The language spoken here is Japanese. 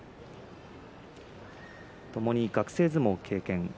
ともに学生相撲の経験。